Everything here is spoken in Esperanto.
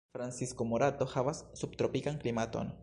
Francisco Morato havas subtropikan klimaton.